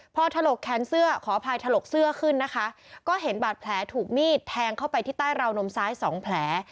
พอถลกแขนเสื้อขออภัยถลกเสื้อขึ้นนะคะก็เห็นบาดแผลถูกมีดแทงเข้าไปที่ใต้ราวนมซ้ายสองแผล